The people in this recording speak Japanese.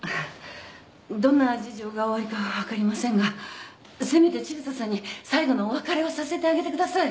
どんな事情がおありかは分かりませんがせめて千草さんに最後のお別れをさせてあげてください。